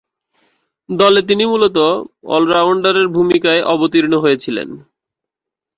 দলে তিনি মূলতঃ অল-রাউন্ডারের ভূমিকায় অবতীর্ণ হয়েছেন।